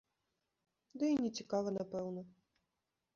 Ды і не цікава, напэўна.